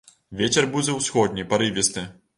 Вецер будзе ўсходні, парывісты.